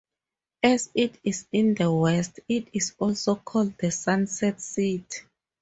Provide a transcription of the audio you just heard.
As it is in the west, it is also called the "sunset city".